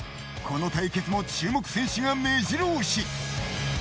この対決も注目選手が目白押し。